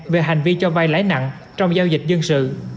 về hành vi cho vai lãi nặng trong giao dịch dân sự